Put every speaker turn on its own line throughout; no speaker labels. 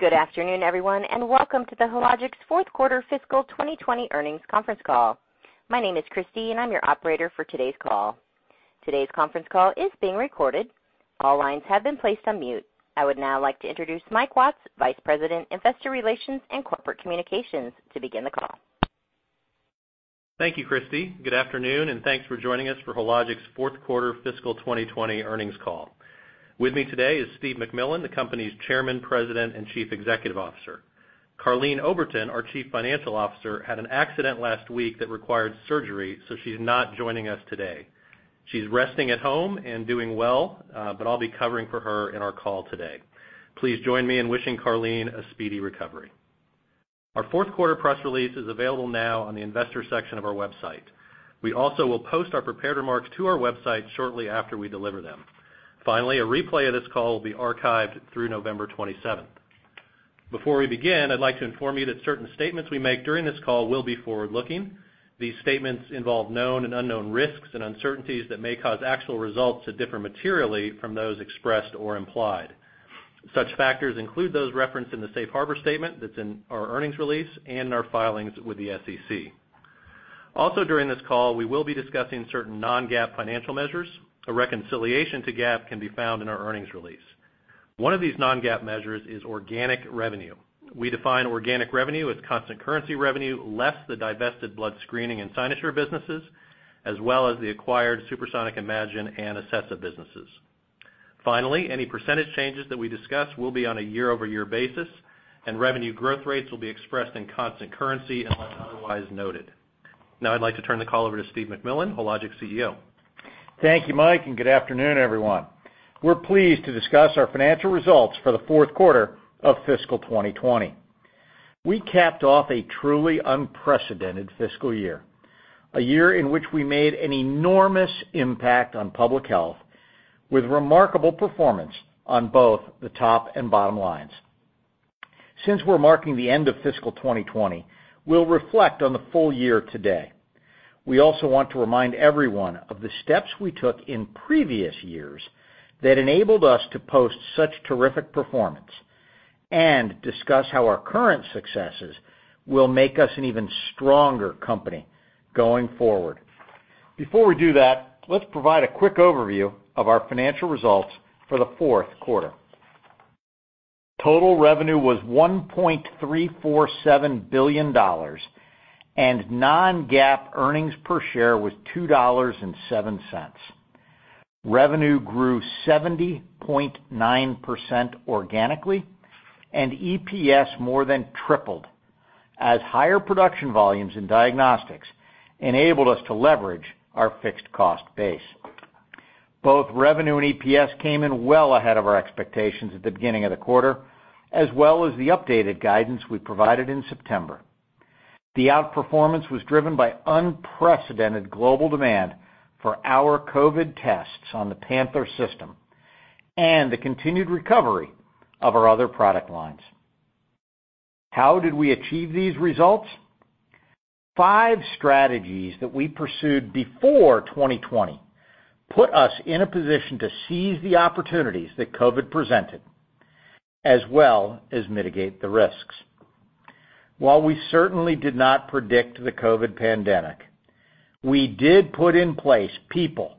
Good afternoon, everyone, and welcome to Hologic's Fourth Quarter Fiscal 2020 Earnings Conference Call. My name is Christy and I'm your operator for today's call. Today's conference call is being recorded. All lines have been placed on mute. I would now like to introduce Mike Watts, Vice President, Investor Relations and Corporate Communications, to begin the call.
Thank you, Christy. Good afternoon, and thanks for joining us for Hologic's fourth quarter fiscal 2020 earnings call. With me today is Steve MacMillan, the company's Chairman, President, and Chief Executive Officer. Karleen Oberton, our Chief Financial Officer, had an accident last week that required surgery, so she's not joining us today. She's resting at home and doing well, but I'll be covering for her in our call today. Please join me in wishing Karleen a speedy recovery. Our fourth quarter press release is available now on the investor section of our website. We also will post our prepared remarks to our website shortly after we deliver them. Finally, a replay of this call will be archived through November 27th. Before we begin, I'd like to inform you that certain statements we make during this call will be forward-looking. These statements involve known and unknown risks and uncertainties that may cause actual results to differ materially from those expressed or implied. Such factors include those referenced in the safe harbor statement that's in our earnings release and our filings with the SEC. During this call, we will be discussing certain non-GAAP financial measures. A reconciliation to GAAP can be found in our earnings release. One of these non-GAAP measures is organic revenue. We define organic revenue as constant currency revenue less the divested blood screening and Cynosure businesses, as well as the acquired SuperSonic Imagine and Acessa businesses. Any percentage changes that we discuss will be on a year-over-year basis, and revenue growth rates will be expressed in constant currency unless otherwise noted. I'd like to turn the call over to Steve MacMillan, Hologic's CEO.
Thank you, Mike, and good afternoon, everyone. We're pleased to discuss our financial results for the fourth quarter of fiscal 2020. We capped off a truly unprecedented fiscal year. A year in which we made an enormous impact on public health with remarkable performance on both the top and bottom lines. Since we're marking the end of fiscal 2020, we'll reflect on the full year today. We also want to remind everyone of the steps we took in previous years that enabled us to post such terrific performance and discuss how our current successes will make us an even stronger company going forward. Before we do that, let's provide a quick overview of our financial results for the fourth quarter. Total revenue was $1.347 billion, and non-GAAP earnings per share was $2.07. Revenue grew 70.9% organically, and EPS more than tripled as higher production volumes in diagnostics enabled us to leverage our fixed cost base. Both revenue and EPS came in well ahead of our expectations at the beginning of the quarter, as well as the updated guidance we provided in September. The outperformance was driven by unprecedented global demand for our COVID tests on the Panther system and the continued recovery of our other product lines. How did we achieve these results? Five strategies that we pursued before 2020 put us in a position to seize the opportunities that COVID presented, as well as mitigate the risks. While we certainly did not predict the COVID pandemic, we did put in place people,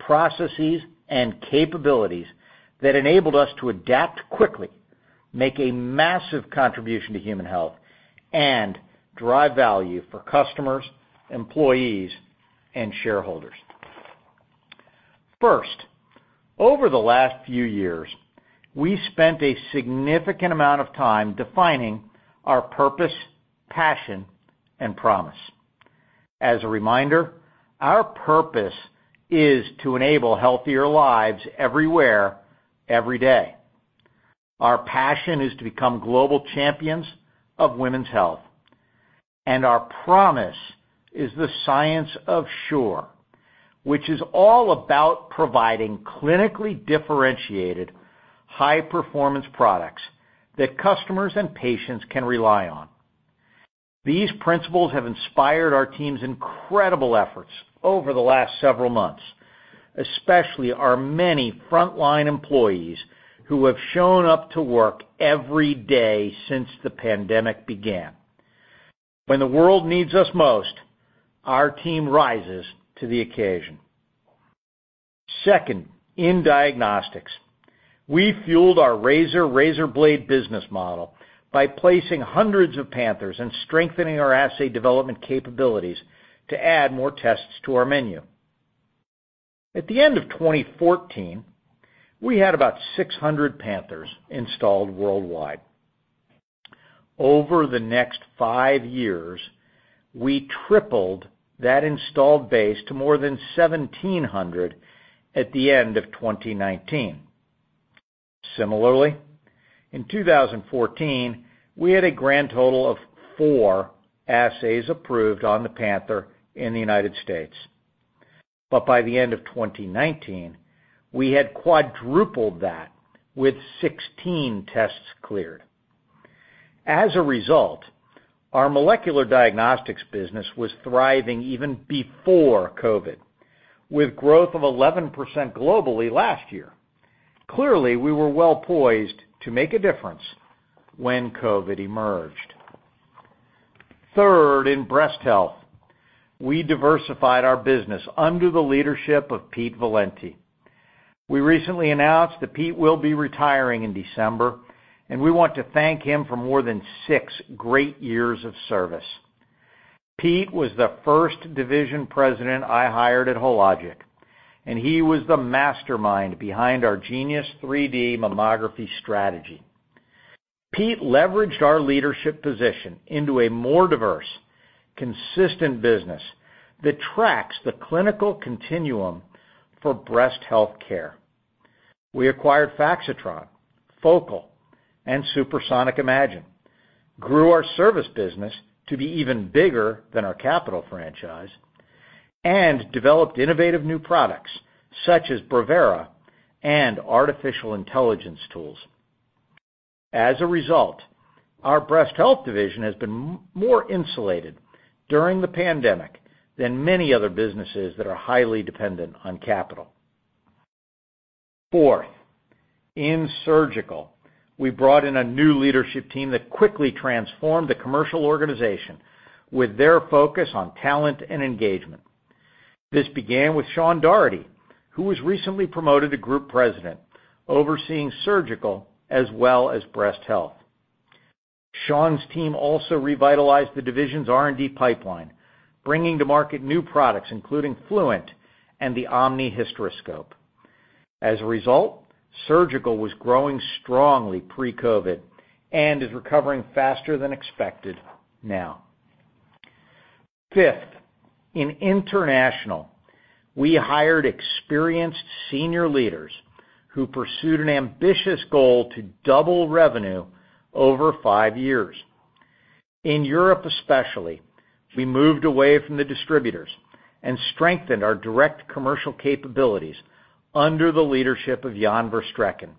processes, and capabilities that enabled us to adapt quickly, make a massive contribution to human health, and drive value for customers, employees, and shareholders. Over the last few years, we spent a significant amount of time defining our purpose, passion, and promise. As a reminder, our purpose is to enable healthier lives everywhere, every day. Our passion is to become global champions of women's health. Our promise is the Science of Sure, which is all about providing clinically differentiated high-performance products that customers and patients can rely on. These principles have inspired our team's incredible efforts over the last several months, especially our many frontline employees who have shown up to work every day since the pandemic began. When the world needs us most, our team rises to the occasion. In diagnostics, we fueled our razor/razorblade business model by placing hundreds of Panthers and strengthening our assay development capabilities to add more tests to our menu. At the end of 2014, we had about 600 Panthers installed worldwide. Over the next five years, we tripled that installed base to more than 1,700 at the end of 2019. Similarly, in 2014, we had a grand total of four assays approved on the Panther in the United States. By the end of 2019, we had quadrupled that with 16 tests cleared. As a result, our molecular diagnostics business was thriving even before COVID, with growth of 11% globally last year. Clearly, we were well poised to make a difference when COVID emerged. Third, in breast health, we diversified our business under the leadership of Pete Valenti. We recently announced that Pete will be retiring in December, and we want to thank him for more than six great years of service. Pete was the first division president I hired at Hologic, and he was the mastermind behind our Genius 3D Mammography strategy. Pete leveraged our leadership position into a more diverse, consistent business that tracks the clinical continuum for breast healthcare. We acquired Faxitron, Focal, and SuperSonic Imagine, grew our service business to be even bigger than our capital franchise, and developed innovative new products, such as Brevera and artificial intelligence tools. As a result, our breast health division has been more insulated during the pandemic than many other businesses that are highly dependent on capital. Fourth, in surgical, we brought in a new leadership team that quickly transformed the commercial organization with their focus on talent and engagement. This began with Sean Daugherty, who was recently promoted to group president, overseeing surgical as well as breast health. Sean's team also revitalized the division's R&D pipeline, bringing to market new products, including Fluent and the Omni Hysteroscope. As a result, surgical was growing strongly pre-COVID and is recovering faster than expected now. Fifth, in international, we hired experienced senior leaders who pursued an ambitious goal to double revenue over five years. In Europe especially, we moved away from the distributors and strengthened our direct commercial capabilities under the leadership of Jan Verstreken,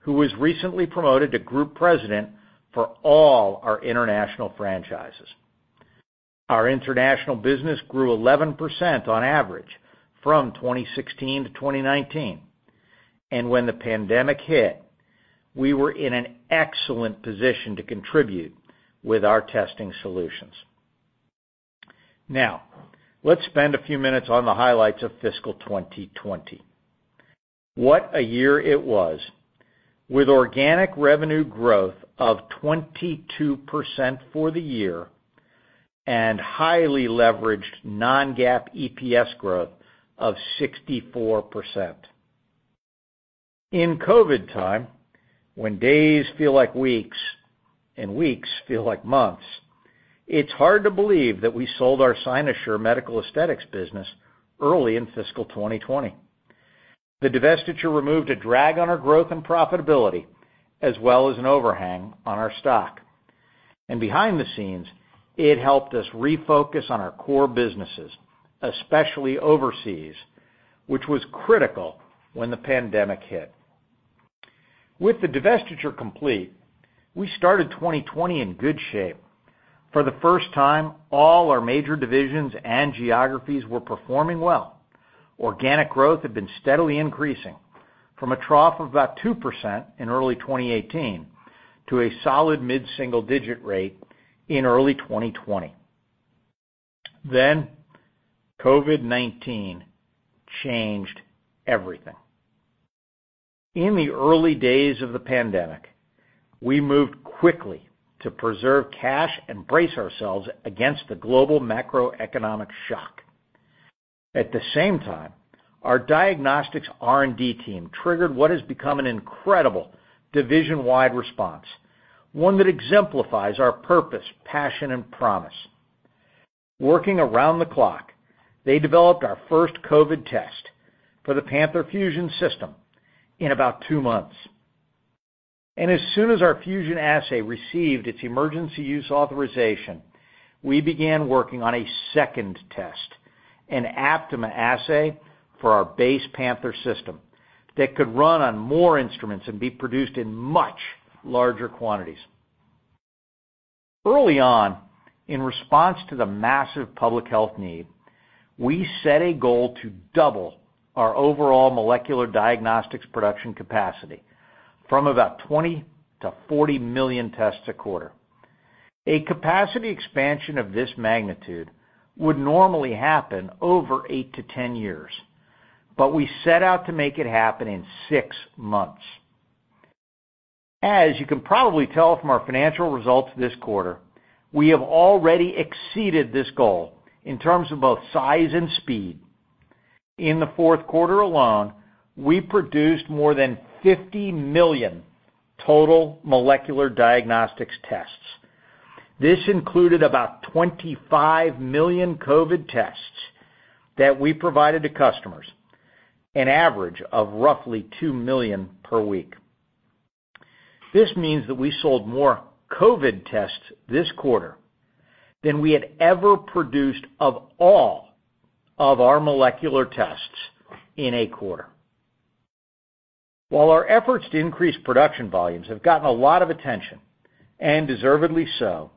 who was recently promoted to group president for all our international franchises. Our international business grew 11% on average from 2016 to 2019. When the pandemic hit, we were in an excellent position to contribute with our testing solutions. Let's spend a few minutes on the highlights of fiscal 2020. What a year it was. With organic revenue growth of 22% for the year and highly leveraged non-GAAP EPS growth of 64%. In COVID time, when days feel like weeks and weeks feel like months, it's hard to believe that we sold our Cynosure Medical Aesthetics business early in fiscal 2020. The divestiture removed a drag on our growth and profitability, as well as an overhang on our stock. Behind the scenes, it helped us refocus on our core businesses, especially overseas, which was critical when the pandemic hit. With the divestiture complete, we started 2020 in good shape. For the first time, all our major divisions and geographies were performing well. Organic growth had been steadily increasing from a trough of about 2% in early 2018 to a solid mid-single digit rate in early 2020. COVID-19 changed everything. In the early days of the pandemic, we moved quickly to preserve cash and brace ourselves against the global macroeconomic shock. At the same time, our diagnostics R&D team triggered what has become an incredible division-wide response, one that exemplifies our purpose, passion, and promise. Working around the clock, they developed our first COVID test for the Panther Fusion System in about two months. As soon as our Fusion assay received its emergency use authorization, we began working on a second test, an Aptima assay for our base Panther system that could run on more instruments and be produced in much larger quantities. Early on, in response to the massive public health need, we set a goal to double our overall molecular diagnostics production capacity from about 20 million-40 million tests a quarter. A capacity expansion of this magnitude would normally happen over 8-10 years, but we set out to make it happen in six months. As you can probably tell from our financial results this quarter, we have already exceeded this goal in terms of both size and speed. In the fourth quarter alone, we produced more than 50 million total molecular diagnostics tests. This included about 25 million COVID tests that we provided to customers, an average of roughly two million per week. This means that we sold more COVID tests this quarter than we had ever produced of all of our molecular tests in a quarter. While our efforts to increase production volumes have gotten a lot of attention, and deservedly so,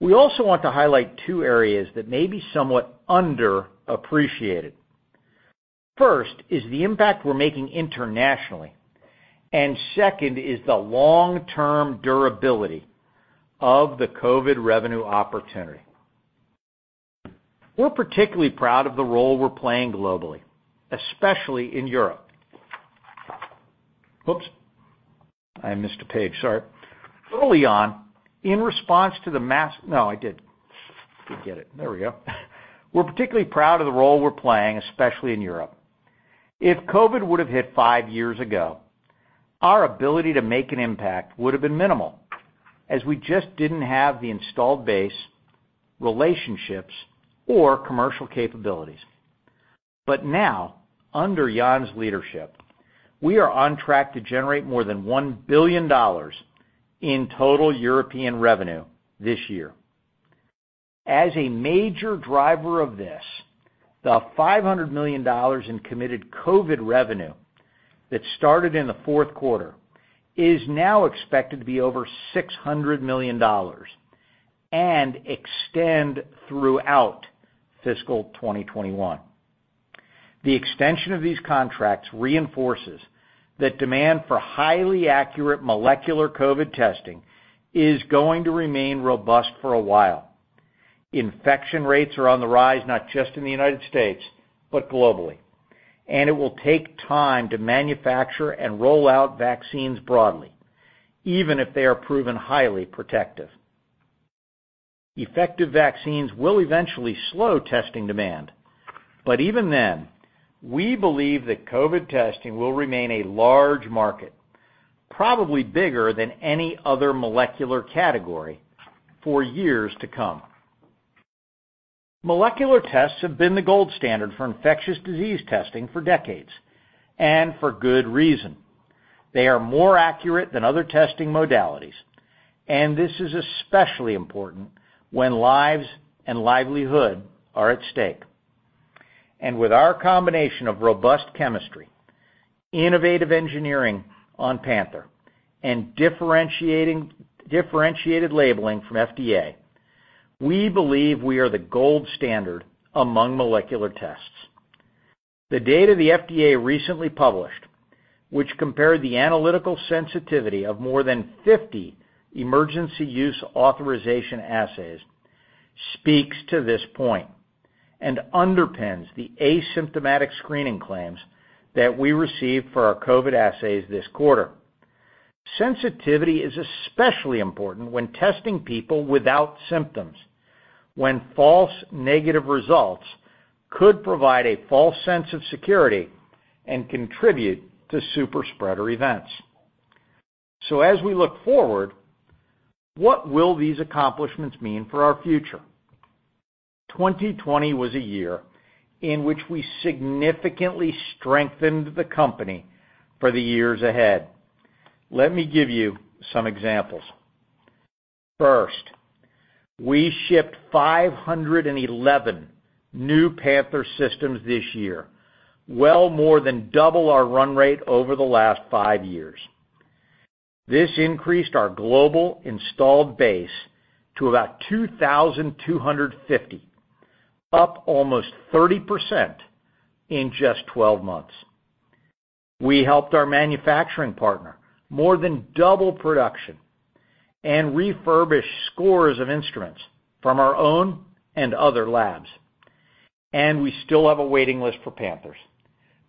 we also want to highlight two areas that may be somewhat underappreciated. First is the impact we're making internationally. Second is the long-term durability of the COVID revenue opportunity. We're particularly proud of the role we're playing globally, especially in Europe. Oops, I missed a page. Sorry. Early on, in response to the No, I did. Did get it. There we go. We're particularly proud of the role we're playing, especially in Europe. If COVID would have hit five years ago, our ability to make an impact would've been minimal, as we just didn't have the installed base, relationships, or commercial capabilities. Now, under Jan's leadership, we are on track to generate more than $1 billion in total European revenue this year. As a major driver of this, the $500 million in committed COVID revenue that started in the fourth quarter is now expected to be over $600 million and extend throughout fiscal 2021. The extension of these contracts reinforces that demand for highly accurate molecular COVID testing is going to remain robust for a while. Infection rates are on the rise, not just in the U.S., but globally, and it will take time to manufacture and roll out vaccines broadly, even if they are proven highly protective. Effective vaccines will eventually slow testing demand. Even then, we believe that COVID testing will remain a large market, probably bigger than any other molecular category for years to come. Molecular tests have been the gold standard for infectious disease testing for decades. For good reason. They are more accurate than other testing modalities. This is especially important when lives and livelihood are at stake. With our combination of robust chemistry, innovative engineering on Panther, and differentiated labeling from FDA, we believe we are the gold standard among molecular tests. The data the FDA recently published, which compared the analytical sensitivity of more than 50 emergency use authorization assays, speaks to this point and underpins the asymptomatic screening claims that we received for our COVID assays this quarter. Sensitivity is especially important when testing people without symptoms, when false negative results could provide a false sense of security and contribute to super-spreader events. As we look forward, what will these accomplishments mean for our future? 2020 was a year in which we significantly strengthened the company for the years ahead. Let me give you some examples. First, we shipped 511 new Panther systems this year, well more than double our run rate over the last five years. This increased our global installed base to about 2,250, up almost 30% in just 12 months. We helped our manufacturing partner more than double production and refurbish scores of instruments from our own and other labs. We still have a waiting list for Panthers.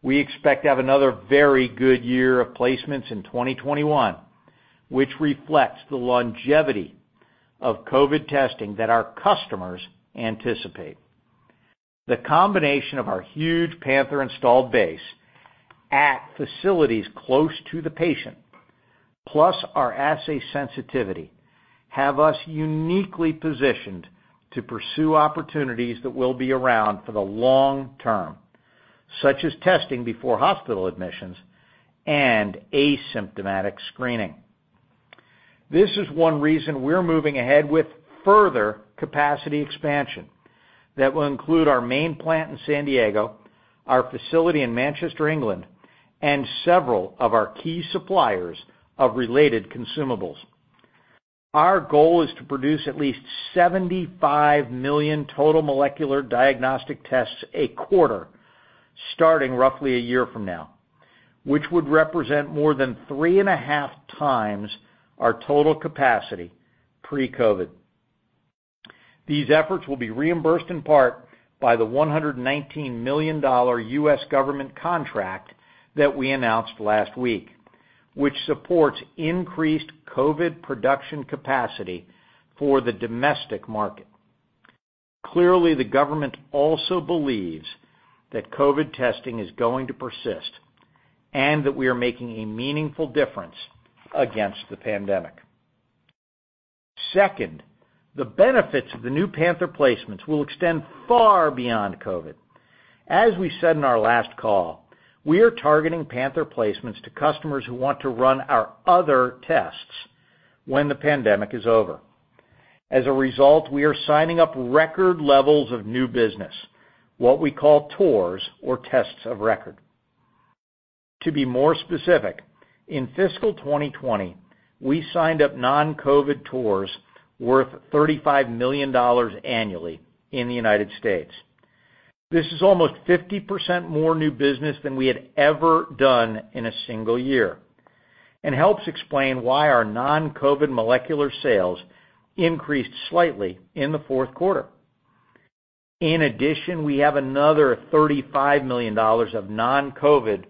We expect to have another very good year of placements in 2021, which reflects the longevity of COVID testing that our customers anticipate. The combination of our huge Panther installed base at facilities close to the patient, plus our assay sensitivity, have us uniquely positioned to pursue opportunities that will be around for the long term, such as testing before hospital admissions and asymptomatic screening. This is one reason we're moving ahead with further capacity expansion that will include our main plant in San Diego, our facility in Manchester, England, and several of our key suppliers of related consumables. Our goal is to produce at least 75 million total molecular diagnostic tests a quarter, starting roughly a year from now, which would represent more than 3.5x Our total capacity pre-COVID. These efforts will be reimbursed in part by the $119 million U.S. government contract that we announced last week, which supports increased COVID production capacity for the domestic market. Clearly, the government also believes that COVID testing is going to persist and that we are making a meaningful difference against the pandemic. Second, the benefits of the new Panther placements will extend far beyond COVID. As we said in our last call, we are targeting Panther placements to customers who want to run our other tests when the pandemic is over. As a result, we are signing up record levels of new business, what we call TORs, or tests of record. To be more specific, in fiscal 2020, we signed up non-COVID TORs worth $35 million annually in the United States. This is almost 50% more new business than we had ever done in a single year, and helps explain why our non-COVID molecular sales increased slightly in the fourth quarter. In addition, we have another $35 million of non-COVID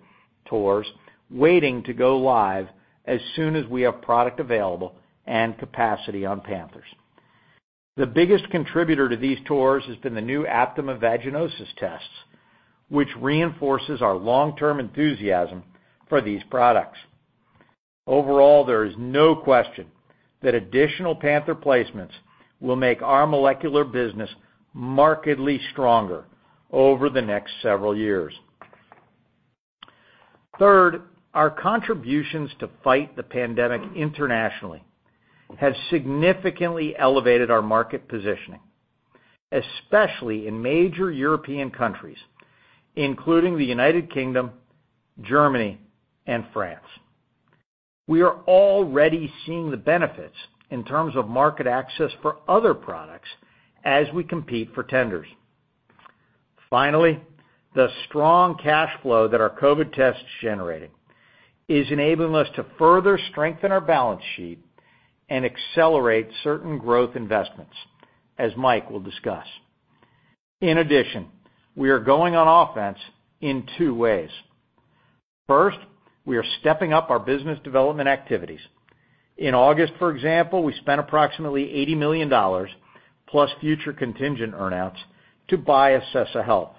TORs waiting to go live as soon as we have product available and capacity on Panthers. The biggest contributor to these TORs has been the new Aptima vaginosis tests, which reinforces our long-term enthusiasm for these products. Overall, there is no question that additional Panther placements will make our molecular business markedly stronger over the next several years. Third, our contributions to fight the pandemic internationally has significantly elevated our market positioning, especially in major European countries, including the United Kingdom, Germany, and France. We are already seeing the benefits in terms of market access for other products as we compete for tenders. Finally, the strong cash flow that our COVID test is generating is enabling us to further strengthen our balance sheet and accelerate certain growth investments, as Mike will discuss. In addition, we are going on offense in two ways. First, we are stepping up our business development activities. In August, for example, we spent approximately $80 million plus future contingent earn-outs to buy Acessa Health.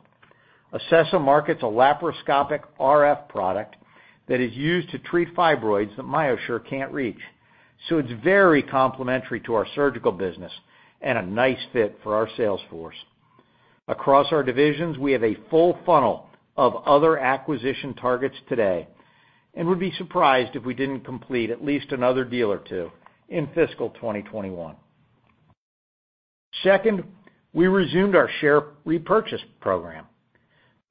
Acessa markets a laparoscopic RF product that is used to treat fibroids that MyoSure can't reach, so it's very complementary to our surgical business and a nice fit for our sales force. Across our divisions, we have a full funnel of other acquisition targets today, and would be surprised if we didn't complete at least another deal or two in fiscal 2021. Second, we resumed our share repurchase program,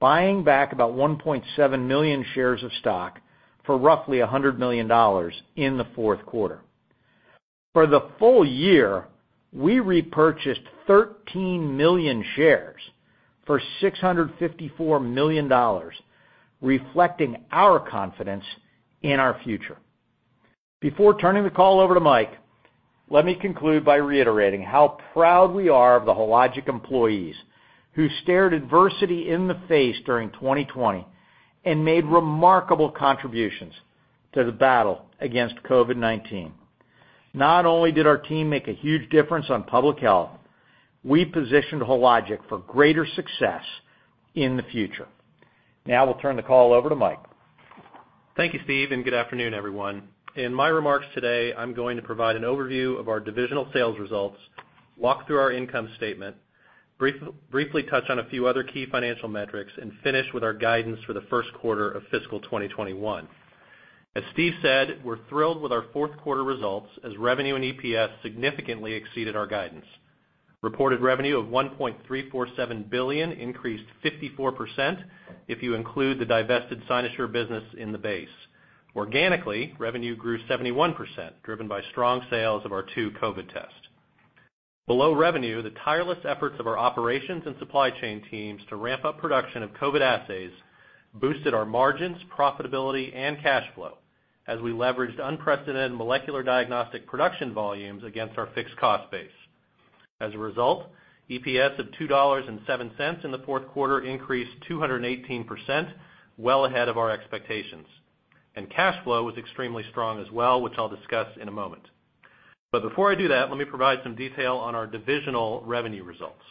buying back about 1.7 million shares of stock for roughly $100 million in the fourth quarter. For the full year, we repurchased 13 million shares for $654 million, reflecting our confidence in our future. Before turning the call over to Mike, let me conclude by reiterating how proud we are of the Hologic employees who stared adversity in the face during 2020 and made remarkable contributions to the battle against COVID-19. Not only did our team make a huge difference on public health, we positioned Hologic for greater success in the future. Now I will turn the call over to Mike.
Thank you, Steve, and good afternoon, everyone. In my remarks today, I'm going to provide an overview of our divisional sales results, walk through our income statement, briefly touch on a few other key financial metrics, and finish with our guidance for the first quarter of fiscal 2021. As Steve said, we're thrilled with our fourth quarter results, as revenue and EPS significantly exceeded our guidance. Reported revenue of $1.347 billion increased 54% if you include the divested Cynosure business in the base. Organically, revenue grew 71%, driven by strong sales of our two COVID tests. Below revenue, the tireless efforts of our operations and supply chain teams to ramp up production of COVID assays boosted our margins, profitability, and cash flow as we leveraged unprecedented molecular diagnostic production volumes against our fixed cost base. As a result, EPS of $2.07 in the fourth quarter increased 218%, well ahead of our expectations. Cash flow was extremely strong as well, which I'll discuss in a moment. Before I do that, let me provide some detail on our divisional revenue results.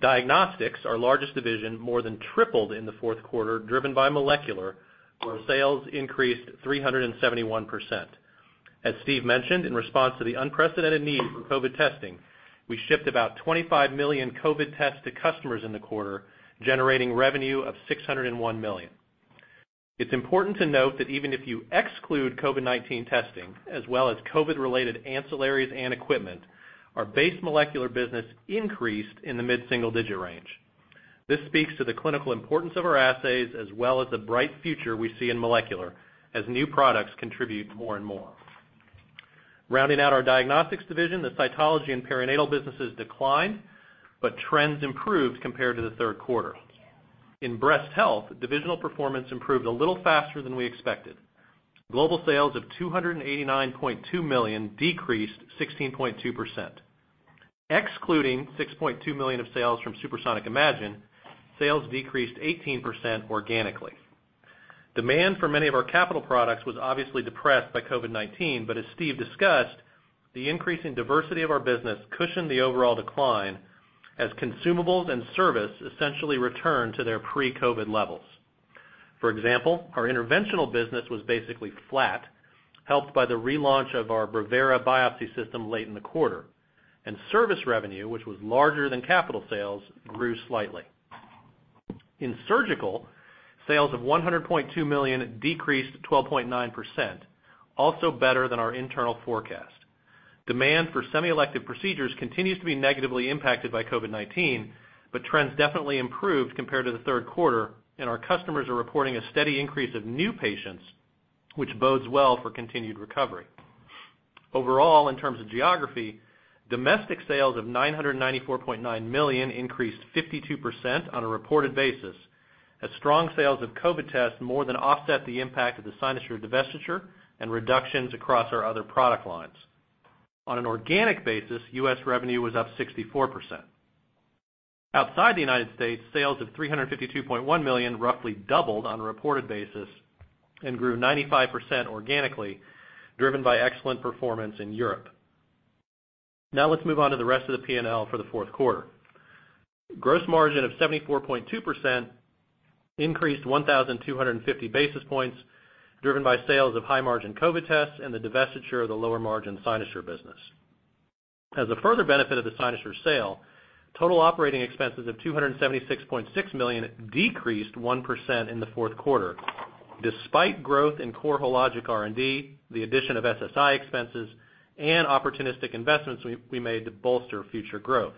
Diagnostics, our largest division, more than tripled in the fourth quarter, driven by molecular, where sales increased 371%. As Steve mentioned, in response to the unprecedented need for COVID testing, we shipped about 25 million COVID tests to customers in the quarter, generating revenue of $601 million. It's important to note that even if you exclude COVID-19 testing, as well as COVID-related ancillaries and equipment, our base molecular business increased in the mid-single-digit range. This speaks to the clinical importance of our assays, as well as the bright future we see in molecular as new products contribute more and more. Rounding out our diagnostics division, the cytology and perinatal businesses declined, but trends improved compared to the third quarter. In breast health, divisional performance improved a little faster than we expected. Global sales of $289.2 million decreased 16.2%. Excluding $6.2 million of sales from SuperSonic Imagine, sales decreased 18% organically. Demand for many of our capital products was obviously depressed by COVID-19, but as Steve discussed, the increase in diversity of our business cushioned the overall decline as consumables and service essentially returned to their pre-COVID levels. For example, our interventional business was basically flat, helped by the relaunch of our Brevera biopsy system late in the quarter. Service revenue, which was larger than capital sales, grew slightly. In surgical, sales of $100.2 million decreased 12.9%, also better than our internal forecast. Demand for semi-elective procedures continues to be negatively impacted by COVID-19. Trends definitely improved compared to the third quarter, and our customers are reporting a steady increase of new patients, which bodes well for continued recovery. Overall, in terms of geography, domestic sales of $994.9 million increased 52% on a reported basis. Strong sales of COVID tests more than offset the impact of the Cynosure divestiture and reductions across our other product lines. On an organic basis, U.S. revenue was up 64%. Outside the United States, sales of $352.1 million roughly doubled on a reported basis and grew 95% organically, driven by excellent performance in Europe. Let's move on to the rest of the P&L for the fourth quarter. Gross margin of 74.2% increased 1,250 basis points, driven by sales of high-margin COVID tests and the divestiture of the lower-margin Cynosure business. As a further benefit of the Cynosure sale, total operating expenses of $276.6 million decreased 1% in the fourth quarter, despite growth in core Hologic R&D, the addition of SSI expenses, and opportunistic investments we made to bolster future growth.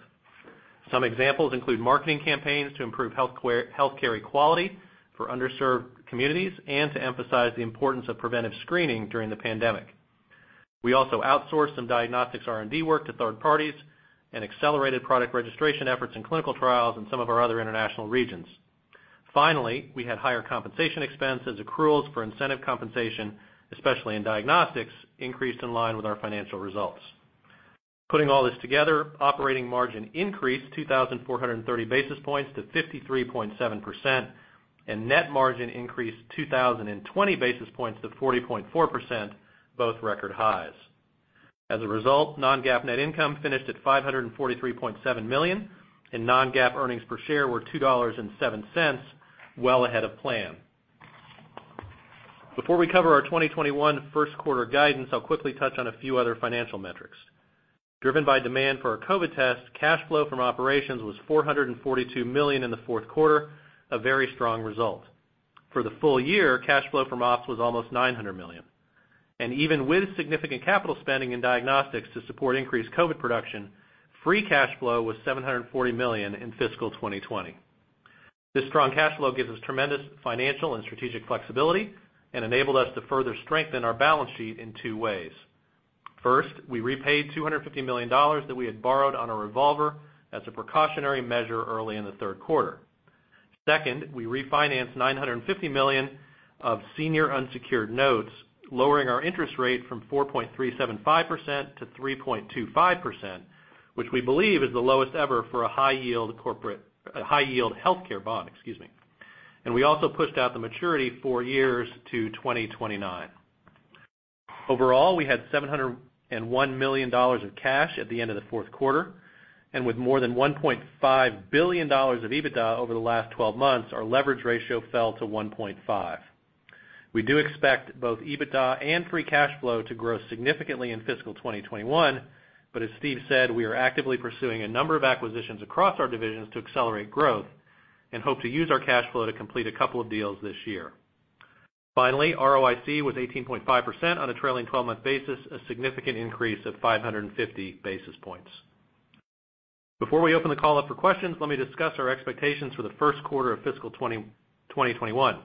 Some examples include marketing campaigns to improve healthcare equality for underserved communities and to emphasize the importance of preventive screening during the pandemic. We also outsourced some diagnostics R&D work to third parties and accelerated product registration efforts and clinical trials in some of our other international regions. Finally, we had higher compensation expense as accruals for incentive compensation, especially in diagnostics, increased in line with our financial results. Putting all this together, operating margin increased 2,430 basis points to 53.7%, and net margin increased 2,020 basis points to 40.4%, both record highs. As a result, non-GAAP net income finished at $543.7 million, and non-GAAP earnings per share were $2.07, well ahead of plan. Before we cover our 2021 first quarter guidance, I'll quickly touch on a few other financial metrics. Driven by demand for our COVID test, cash flow from operations was $442 million in the fourth quarter, a very strong result. For the full year, cash flow from ops was almost $900 million. Even with significant capital spending in diagnostics to support increased COVID production, free cash flow was $740 million in fiscal 2020. This strong cash flow gives us tremendous financial and strategic flexibility and enabled us to further strengthen our balance sheet in two ways. First, we repaid $250 million that we had borrowed on a revolver as a precautionary measure early in the third quarter. Second, we refinanced $950 million of senior unsecured notes, lowering our interest rate from 4.375% to 3.25%, which we believe is the lowest ever for a high-yield healthcare bond. We also pushed out the maturity four years to 2029. Overall, we had $701 million of cash at the end of the fourth quarter, and with more than $1.5 billion of EBITDA over the last 12 months, our leverage ratio fell to 1.5. We do expect both EBITDA and free cash flow to grow significantly in fiscal 2021. As Steve said, we are actively pursuing a number of acquisitions across our divisions to accelerate growth and hope to use our cash flow to complete a couple of deals this year. Finally, ROIC was 18.5% on a trailing 12-month basis, a significant increase of 550 basis points. Before we open the call up for questions, let me discuss our expectations for the first quarter of fiscal 2021.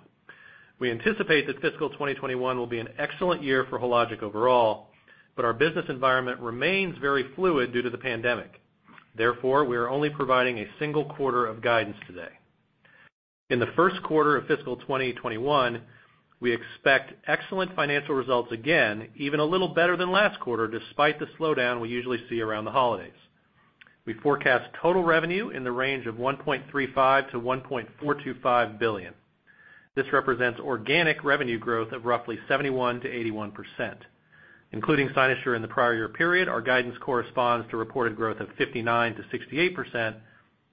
We anticipate that fiscal 2021 will be an excellent year for Hologic overall, but our business environment remains very fluid due to the pandemic. We are only providing a single quarter of guidance today. In the first quarter of fiscal 2021, we expect excellent financial results again, even a little better than last quarter, despite the slowdown we usually see around the holidays. We forecast total revenue in the range of $1.35 billion-$1.425 billion. This represents organic revenue growth of roughly 71%-81%. Including Cynosure in the prior year period, our guidance corresponds to reported growth of 59%-68%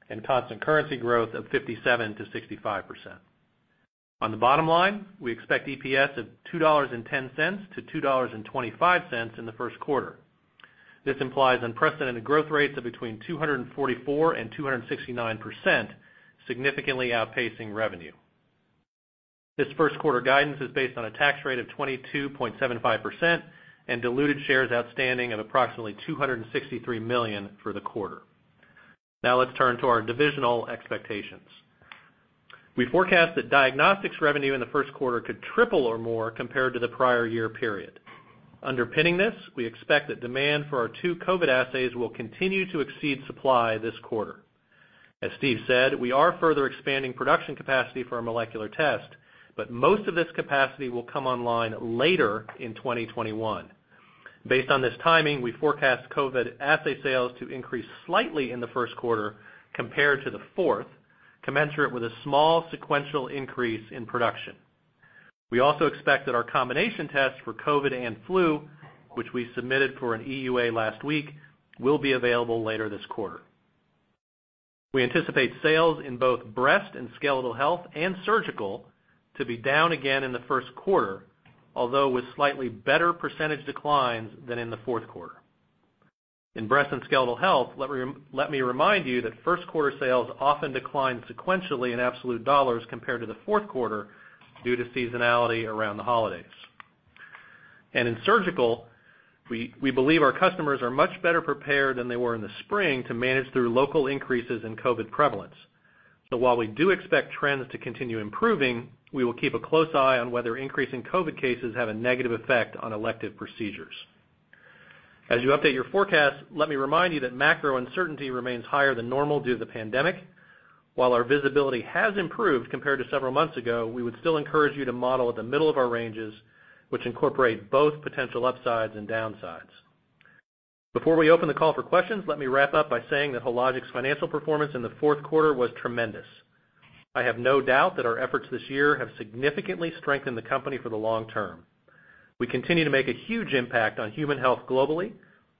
and constant currency growth of 57%-65%. On the bottom line, we expect EPS of $2.10-$2.25 in the first quarter. This implies unprecedented growth rates of between 244% and 269%, significantly outpacing revenue. This first quarter guidance is based on a tax rate of 22.75% and diluted shares outstanding of approximately 263 million for the quarter. Now let's turn to our divisional expectations. We forecast that diagnostics revenue in the first quarter could triple or more compared to the prior year period. Underpinning this, we expect that demand for our two COVID assays will continue to exceed supply this quarter. As Steve said, we are further expanding production capacity for our molecular test, but most of this capacity will come online later in 2021. Based on this timing, we forecast COVID assay sales to increase slightly in the first quarter compared to the fourth, commensurate with a small sequential increase in production. We also expect that our combination test for COVID and flu, which we submitted for an EUA last week, will be available later this quarter. We anticipate sales in both Breast and Skeletal Health and Surgical to be down again in the first quarter, although with slightly better percentage declines than in the fourth quarter. In Breast and Skeletal Health, let me remind you that first quarter sales often decline sequentially in absolute dollars compared to the fourth quarter due to seasonality around the holidays. In surgical, we believe our customers are much better prepared than they were in the spring to manage through local increases in COVID prevalence. While we do expect trends to continue improving, we will keep a close eye on whether increasing COVID cases have a negative effect on elective procedures. As you update your forecast, let me remind you that macro uncertainty remains higher than normal due to the pandemic. While our visibility has improved compared to several months ago, we would still encourage you to model at the middle of our ranges, which incorporate both potential upsides and downsides. Before we open the call for questions, let me wrap up by saying that Hologic's financial performance in the fourth quarter was tremendous. I have no doubt that our efforts this year have significantly strengthened the company for the long term. We continue to make a huge impact on human health globally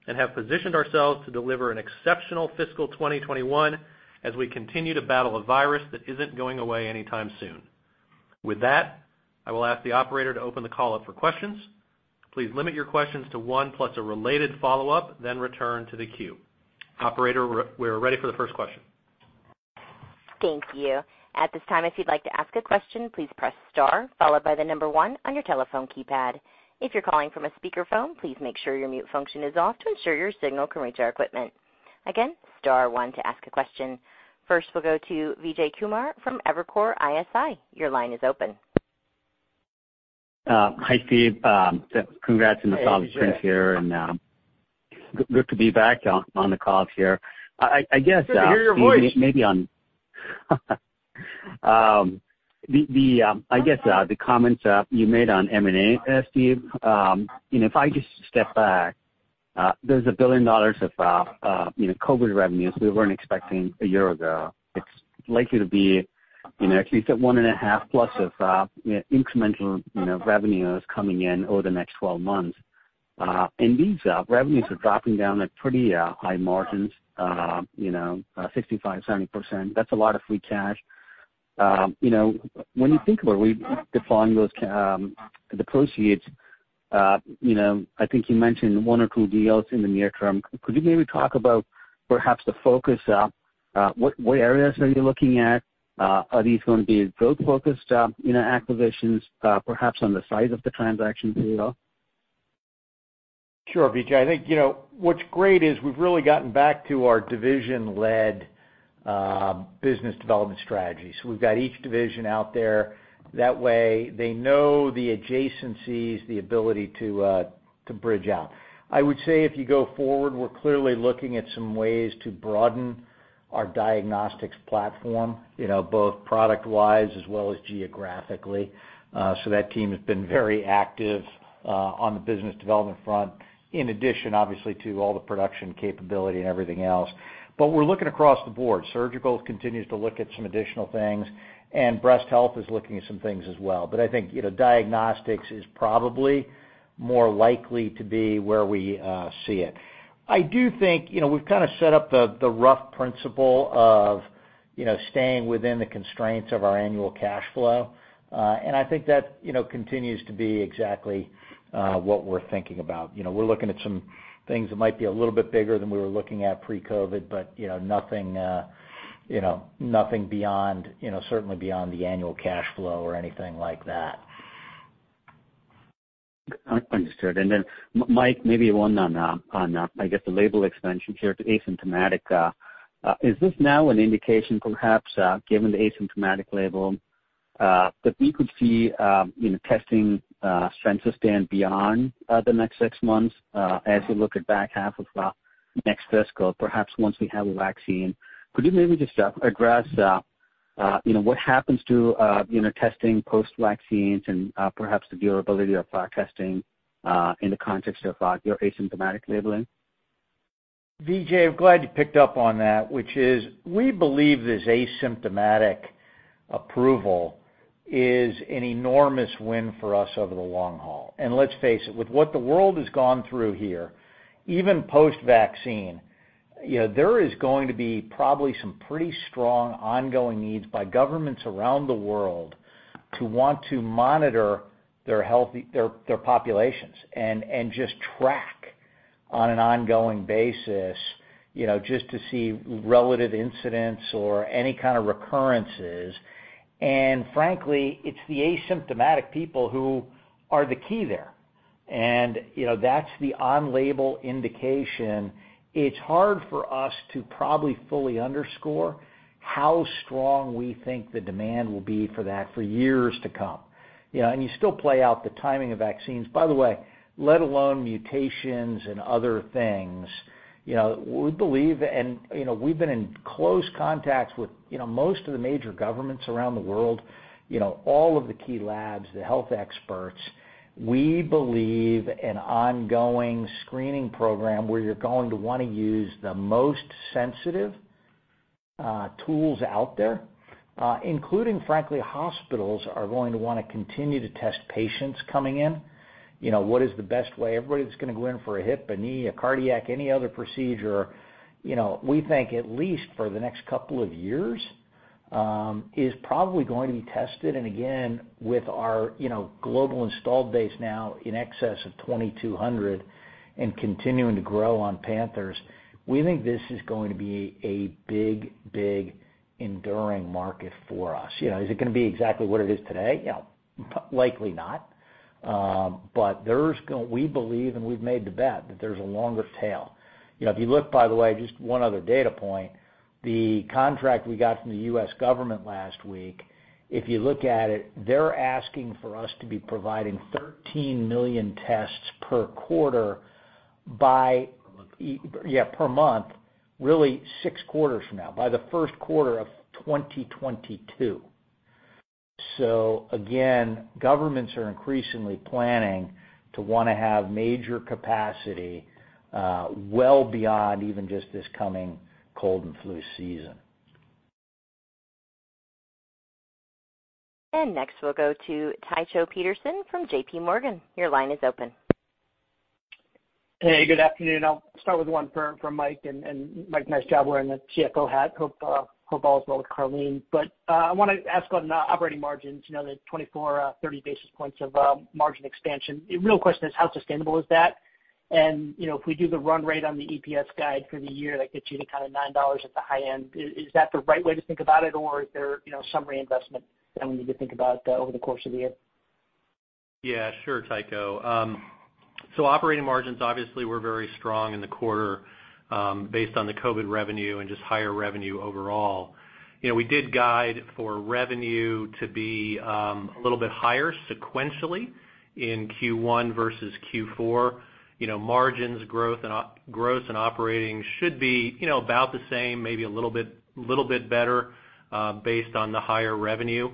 and have positioned ourselves to deliver an exceptional fiscal 2021 as we continue to battle a virus that isn't going away anytime soon. With that, I will ask the operator to open the call up for questions. Please limit your questions to one plus a related follow-up, then return to the queue. Operator, we are ready for the first question.
Thank you. At this time, if you'd like to ask a question, please press star followed by the number one on your telephone keypad. If you're calling from a speakerphone, please make sure your mute function is off to ensure your signal can reach our equipment. Again, star one to ask a question. First, we'll go to Vijay Kumar from Evercore ISI. Your line is open.
Hi, Steve. Congrats on the solid print here.
Hey, Vijay.
Good to be back on the call here.
Good to hear your voice.
I guess, the comments you made on M&A, Steve. If I just step back, there's $1 billion of COVID revenues we weren't expecting a year ago. It's likely to be at least at $1.5+ billion of incremental revenues coming in over the next 12 months. These revenues are dropping down at pretty high margins, 65%-70%. That's a lot of free cash. When you think about deploying the proceeds, I think you mentioned one or two deals in the near term. Could you maybe talk about perhaps the focus? What areas are you looking at? Are these going to be growth-focused acquisitions, perhaps on the size of the transaction as well?
Sure, Vijay. I think what's great is we've really gotten back to our division-led business development strategy. We've got each division out there. That way, they know the adjacencies, the ability to bridge out. I would say if you go forward, we're clearly looking at some ways to broaden our diagnostics platform both product-wise as well as geographically. That team has been very active on the business development front, in addition, obviously, to all the production capability and everything else. We're looking across the board. Surgical continues to look at some additional things, and Breast Health is looking at some things as well. I think diagnostics is probably more likely to be where we see it. I do think we've kind of set up the rough principle of staying within the constraints of our annual cash flow. I think that continues to be exactly what we're thinking about. We're looking at some things that might be a little bit bigger than we were looking at pre-COVID, but nothing certainly beyond the annual cash flow or anything like that.
Understood. Mike, maybe one on, I guess, the label expansion here to asymptomatic. Is this now an indication perhaps, given the asymptomatic label, that we could see testing beyond the next six months as we look at back half of next fiscal, perhaps once we have a vaccine? Could you maybe just address what happens to testing post-vaccines and perhaps the durability of testing in the context of your asymptomatic labeling?
Vijay, I'm glad you picked up on that, which is, we believe this asymptomatic approval is an enormous win for us over the long haul. Let's face it, with what the world has gone through here, even post-vaccine, there is going to be probably some pretty strong ongoing needs by governments around the world to want to monitor their populations and just track on an ongoing basis just to see relative incidents or any kind of recurrences. Frankly, it's the asymptomatic people who are the key there. That's the on-label indication. It's hard for us to probably fully underscore how strong we think the demand will be for that for years to come. You still play out the timing of vaccines. By the way let alone mutation and other things, we believe, and we've been in close contact with most of the major governments around the world, all of the key labs, the health experts. We believe an ongoing screening program where you're going to want to use the most sensitive tools out there including, frankly, hospitals are going to want to continue to test patients coming in. What is the best way? Everybody that's going to go in for a hip, a knee, a cardiac, any other procedure, we think at least for the next couple of years is probably going to be tested. Again, with our global installed base now in excess of 2,200 and continuing to grow on Panther, we think this is going to be a big enduring market for us. Is it going to be exactly what it is today? Likely not. We believe, and we've made the bet, that there's a longer tail. If you look, by the way, just one other data point, the contract we got from the U.S. government last week, if you look at it, they're asking for us to be providing 13 million tests per quarter.
Per month.
Yeah, per month, really six quarters from now. By the first quarter of 2022. Again, governments are increasingly planning to want to have major capacity well beyond even just this coming cold and flu season.
Next we'll go to Tycho Peterson from J.P. Morgan. Your line is open.
Hey, good afternoon. I'll start with one for Mike, and Mike, nice job wearing the CFO hat. Hope all is well with Karleen. I want to ask on operating margins, the 2,430 basis points of margin expansion. Real question is, how sustainable is that? If we do the run rate on the EPS guide for the year, that gets you to kind of $9 at the high end. Is that the right way to think about it? Is there some reinvestment that we need to think about over the course of the year?
Sure, Tycho. Operating margins obviously were very strong in the quarter based on the COVID revenue and just higher revenue overall. We did guide for revenue to be a little bit higher sequentially in Q1 versus Q4. Margins growth and operating should be about the same, maybe a little bit better, based on the higher revenue.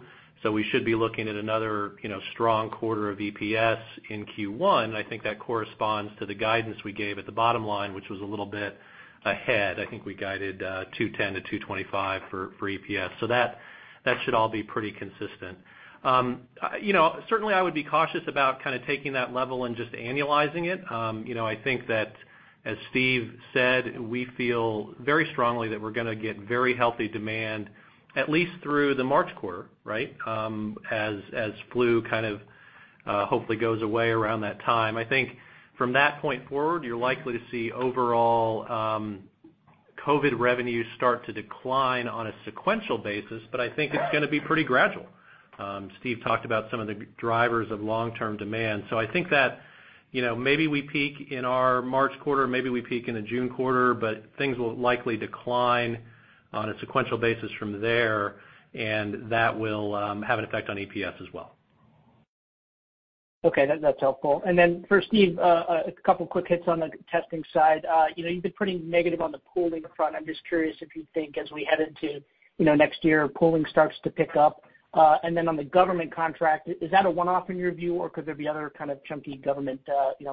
We should be looking at another strong quarter of EPS in Q1. I think that corresponds to the guidance we gave at the bottom line, which was a little bit ahead. I think we guided $2.10-$2.25 for EPS. That should all be pretty consistent. Certainly I would be cautious about kind of taking that level and just annualizing it. I think that, as Steve said, we feel very strongly that we're going to get very healthy demand at least through the March quarter, right? As flu kind of hopefully goes away around that time. I think from that point forward, you're likely to see overall COVID revenues start to decline on a sequential basis, but I think it's going to be pretty gradual. Steve talked about some of the drivers of long-term demand. I think that maybe we peak in our March quarter, maybe we peak in the June quarter, but things will likely decline on a sequential basis from there, and that will have an effect on EPS as well.
Okay. That's helpful. Then for Steve, a couple quick hits on the testing side. You've been pretty negative on the pooling front. I'm just curious if you think as we head into next year, pooling starts to pick up. Then on the government contract, is that a one-off in your view, or could there be other kind of chunky government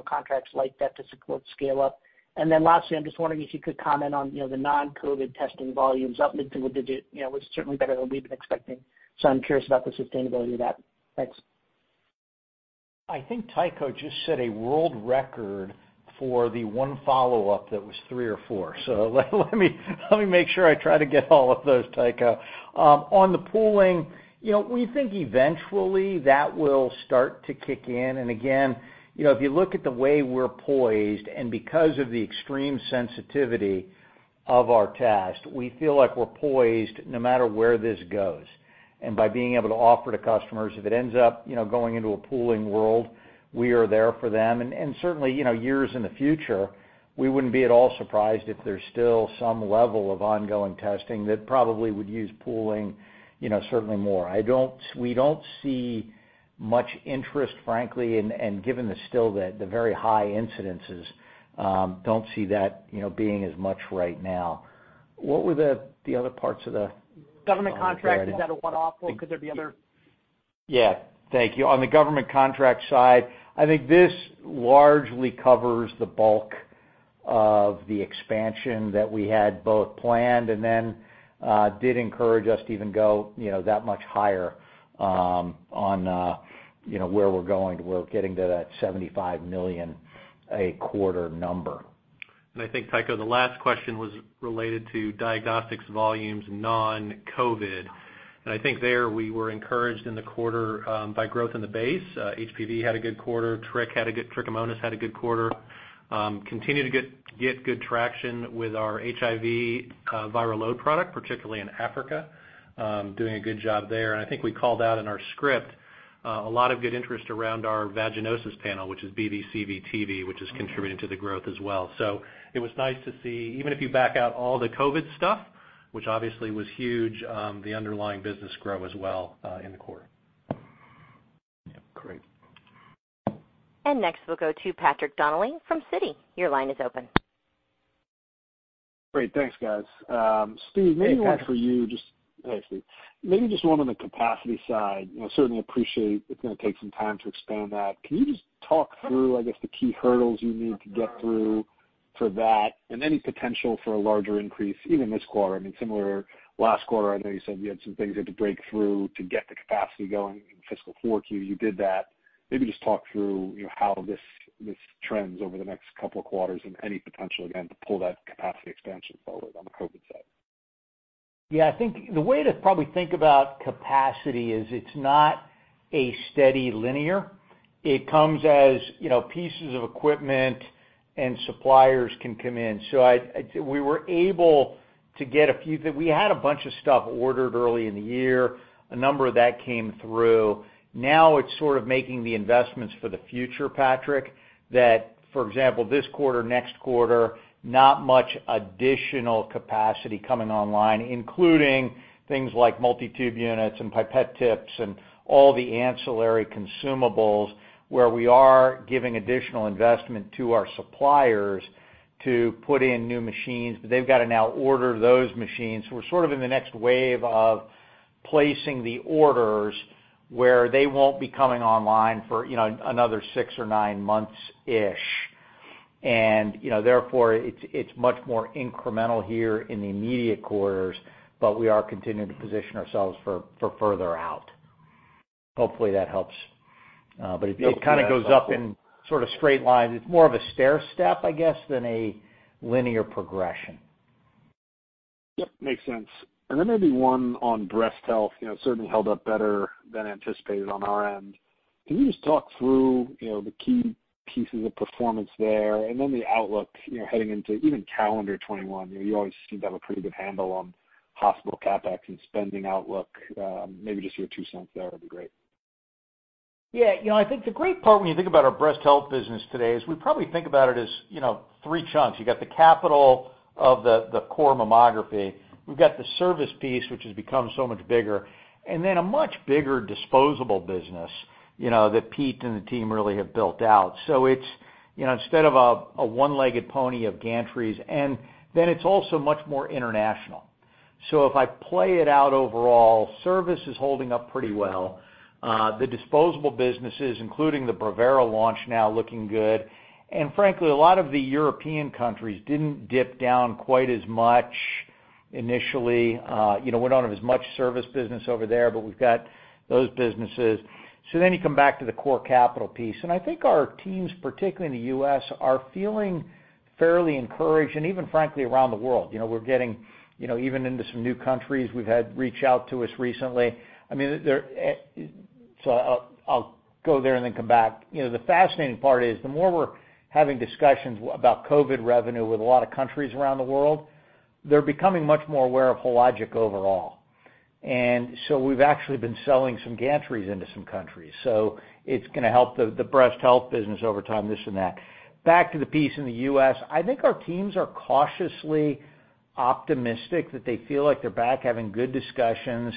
contracts like that to support scale up? Lastly, I'm just wondering if you could comment on the non-COVID testing volumes up mid-single digit, was certainly better than we've been expecting. I'm curious about the sustainability of that. Thanks.
I think Tycho just set a world record for the one follow-up that was three or four. Let me make sure I try to get all of those, Tycho. On the pooling, we think eventually that will start to kick in. Again, if you look at the way we're poised and because of the extreme sensitivity of our test, we feel like we're poised no matter where this goes. By being able to offer to customers, if it ends up going into a pooling world, we are there for them. Certainly, years in the future, we wouldn't be at all surprised if there's still some level of ongoing testing that probably would use pooling certainly more. We don't see much interest, frankly, and given the still the very high incidences, don't see that being as much right now.
Government contract, is that a one-off or could there be other?
Yeah. Thank you. On the government contract side, I think this largely covers the bulk of the expansion that we had both planned and then did encourage us to even go that much higher on where we're going. We're getting to that $75 million a quarter number.
Tycho, the last question was related to diagnostics volumes non-COVID. There we were encouraged in the quarter by growth in the base. HPV had a good quarter, Trichomonas had a good quarter. Continue to get good traction with our HIV viral load product, particularly in Africa, doing a good job there. We called out in our script, a lot of good interest around our vaginosis panel, which is BV, CV, TV, which is contributing to the growth as well. It was nice to see, even if you back out all the COVID stuff, which obviously was huge, the underlying business grow as well in the quarter.
Yeah. Great.
Next we'll go to Patrick Donnelly from Citi. Your line is open.
Great. Thanks, guys.
Hey, Patrick
Hey, Steve. Maybe just one on the capacity side. Certainly appreciate it's going to take some time to expand that. Can you just talk through, I guess, the key hurdles you need to get through for that and any potential for a larger increase even this quarter? I mean, similar last quarter, I know you said you had some things you had to break through to get the capacity going in fiscal 4Q, you did that. Maybe just talk through how this trends over the next couple of quarters and any potential, again, to pull that capacity expansion forward on the COVID side?
Yeah, I think the way to probably think about capacity is it's not a steady linear. It comes as pieces of equipment and suppliers can come in. We had a bunch of stuff ordered early in the year. A number of that came through. Now it's sort of making the investments for the future, Patrick, that, for example, this quarter, next quarter, not much additional capacity coming online, including things like multi-tube units and pipette tips and all the ancillary consumables where we are giving additional investment to our suppliers to put in new machines, but they've got to now order those machines. We're sort of in the next wave of placing the orders where they won't be coming online for another six or nine months-ish. Therefore, it's much more incremental here in the immediate quarters, but we are continuing to position ourselves for further out. Hopefully that helps.
Yeah.
It kind of goes up in sort of straight lines. It's more of a stairstep, I guess, than a linear progression.
Yep, makes sense. Maybe one on Breast Health. Certainly held up better than anticipated on our end. Can you just talk through the key pieces of performance there and then the outlook heading into even calendar 2021? You always seem to have a pretty good handle on hospital CapEx and spending outlook. Maybe just your two cents there would be great.
I think the great part when you think about our Breast Health business today is we probably think about it as three chunks. You got the capital of the core mammography. We've got the service piece, which has become so much bigger. A much bigger disposable business, that Pete and the team really have built out. Instead of a one-legged pony of gantries, and then it's also much more international. If I play it out overall, service is holding up pretty well. The disposable businesses, including the Brevera launch now looking good. Frankly, a lot of the European countries didn't dip down quite as much initially. We don't have as much service business over there, but we've got those businesses. You come back to the core capital piece, and I think our teams, particularly in the U.S., are feeling fairly encouraged, and even frankly, around the world. We're getting even into some new countries. We've had reach out to us recently. I'll go there and then come back. The fascinating part is the more we're having discussions about COVID revenue with a lot of countries around the world, they're becoming much more aware of Hologic overall. We've actually been selling some gantries into some countries. It's going to help the Breast Health business over time, this and that. Back to the piece in the U.S., I think our teams are cautiously optimistic that they feel like they're back having good discussions.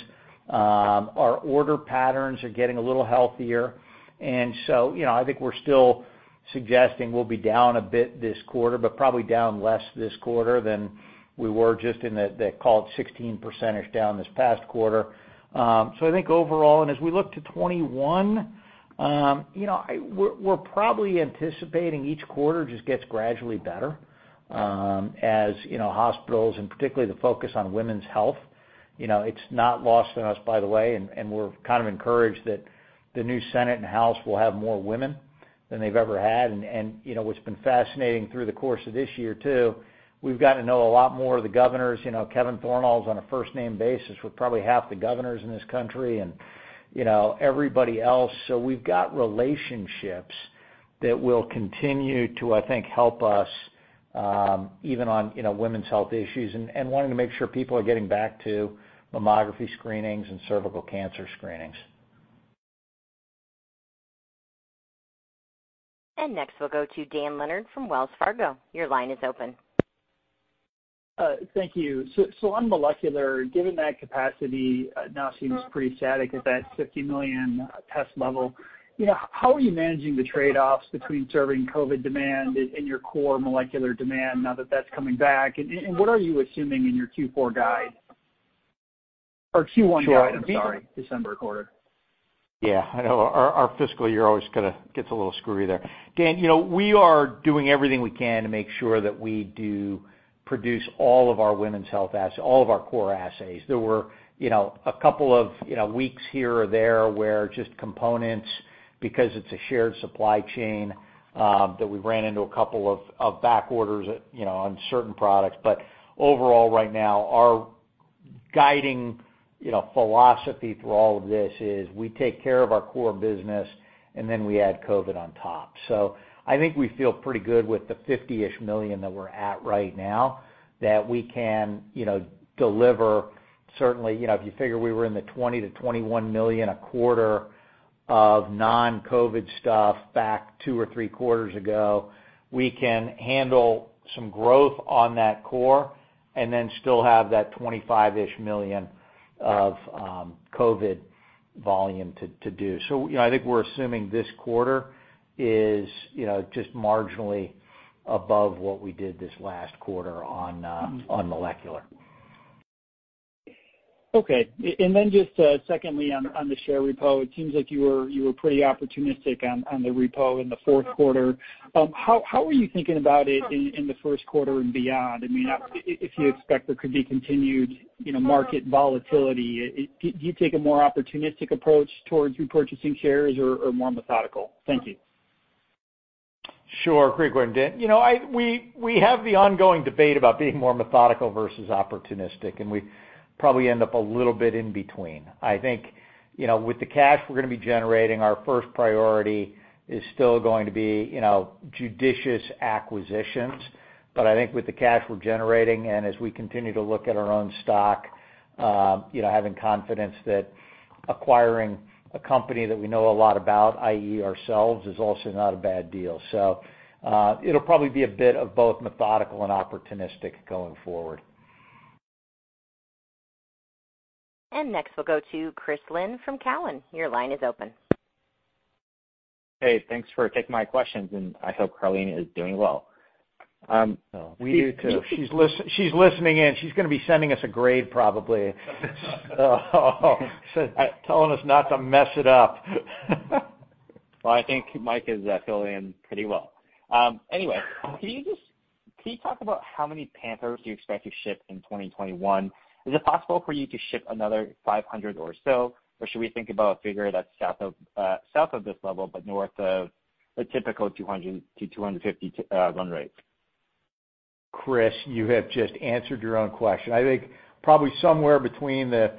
Our order patterns are getting a little healthier. I think we're still suggesting we'll be down a bit this quarter, but probably down less this quarter than we were just in the, call it 16%-ish down this past quarter. I think overall, and as we look to 2021, we're probably anticipating each quarter just gets gradually better. As hospitals and particularly the focus on women's health, it's not lost on us, by the way, and we're kind of encouraged that the new Senate and House will have more women than they've ever had. What's been fascinating through the course of this year, too, we've gotten to know a lot more of the governors. Kevin Thornal's on a first-name basis with probably half the governors in this country and everybody else. We've got relationships that will continue to, I think, help us even on women's health issues and wanting to make sure people are getting back to mammography screenings and cervical cancer screenings.
Next, we'll go to Dan Leonard from Wells Fargo. Your line is open.
Thank you. On molecular, given that capacity now seems pretty static at that 50 million test level, how are you managing the trade-offs between serving COVID demand and your core molecular demand now that that's coming back? What are you assuming in your Q4 guide or Q1 guide?
Sure
I'm sorry, December quarter.
Yeah, I know our fiscal year always gets a little screwy there. Dan, we are doing everything we can to make sure that we do produce all of our women's health assays, all of our core assays. There were a couple of weeks here or there where just components, because it's a shared supply chain, that we ran into a couple of back orders on certain products. Overall, right now, our guiding philosophy through all of this is we take care of our core business and then we add COVID on top. I think we feel pretty good with the $50-ish million that we're at right now that we can deliver. Certainly, if you figure we were in the $20 million-$21 million a quarter of non-COVID stuff back two or three quarters ago, we can handle some growth on that core and then still have that $25 million-ish of COVID volume to do. I think we're assuming this quarter is just marginally above what we did this last quarter on molecular.
Okay. Just secondly on the share repo, it seems like you were pretty opportunistic on the repo in the fourth quarter. How are you thinking about it in the first quarter and beyond? If you expect there could be continued market volatility, do you take a more opportunistic approach towards repurchasing shares or more methodical? Thank you.
Sure, Great one Dan. We have the ongoing debate about being more methodical versus opportunistic, and we probably end up a little bit in between. I think, with the cash we're going to be generating, our first priority is still going to be judicious acquisitions. I think with the cash we're generating and as we continue to look at our own stock, having confidence that acquiring a company that we know a lot about, i.e., ourselves, is also not a bad deal. It'll probably be a bit of both methodical and opportunistic going forward.
Next, we'll go to Chris Lin from Cowen. Your line is open.
Hey, thanks for taking my questions, and I hope Karleen is doing well.
We do too. She's listening in. She's going to be sending us a grade probably. Telling us not to mess it up.
Well, I think Mike is filling in pretty well. Anyway, can you talk about how many Panthers do you expect to ship in 2021? Is it possible for you to ship another 500 or so, or should we think about a figure that's south of this level, but north of the typical 200-250 run rate?
Chris, you have just answered your own question. I think probably somewhere between the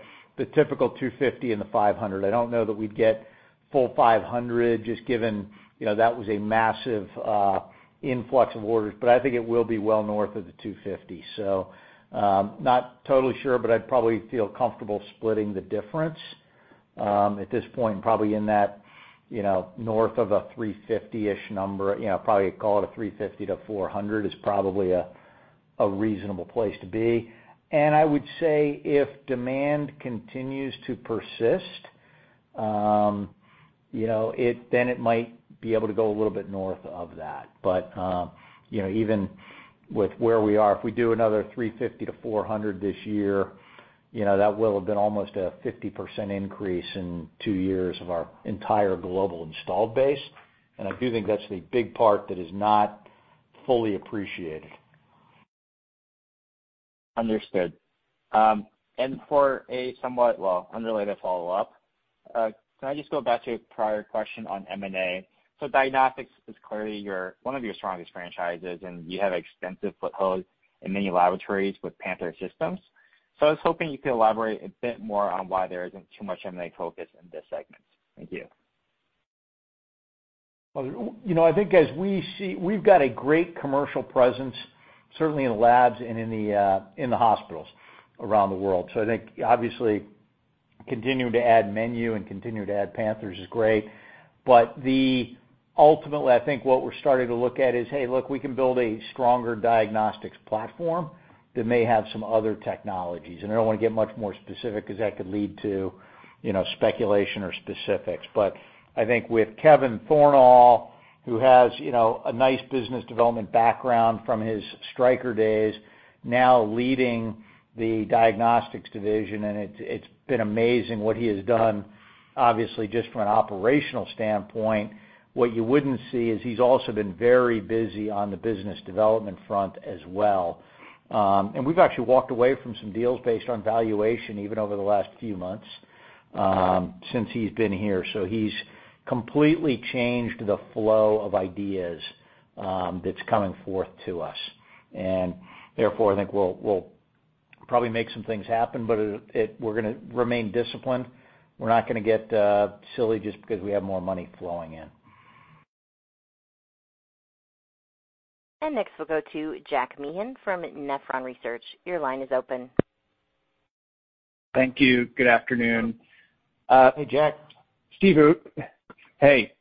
typical 250 and the 500. I don't know that we'd get full 500, just given that was a massive influx of orders. I think it will be well north of the 250. Not totally sure, but I'd probably feel comfortable splitting the difference. At this point, probably in that north of a 350-ish number, probably call it a 350-400 is probably a reasonable place to be. I would say if demand continues to persist, it might be able to go a little bit north of that. Even with where we are, if we do another 350-400 this year, that will have been almost a 50% increase in two years of our entire global installed base. I do think that's the big part that is not fully appreciated.
Understood. For a somewhat, well, unrelated follow-up, can I just go back to a prior question on M&A? Diagnostics is clearly one of your strongest franchises, and you have extensive foothold in many laboratories with Panther systems. I was hoping you could elaborate a bit more on why there isn't too much M&A focus in this segment. Thank you.
I think as we see, we've got a great commercial presence, certainly in labs and in the hospitals around the world. I think obviously continuing to add menu and continuing to add Panthers is great. Ultimately, I think what we're starting to look at is, hey, look, we can build a stronger diagnostics platform that may have some other technologies. I don't want to get much more specific because that could lead to speculation or specifics. I think with Kevin Thornal, who has a nice business development background from his Stryker days, now leading the diagnostics division, and it's been amazing what he has done, obviously, just from an operational standpoint. What you wouldn't see is he's also been very busy on the business development front as well. We've actually walked away from some deals based on valuation, even over the last few months since he's been here. He's completely changed the flow of ideas that's coming forth to us. Therefore, I think we'll probably make some things happen, but we're going to remain disciplined. We're not going to get silly just because we have more money flowing in.
Next, we'll go to Jack Meehan from Nephron Research. Your line is open.
Thank you. Good afternoon.
Hey, Jack.
Steve. Hey.